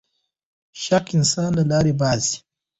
شک انسان له لارې باسـي.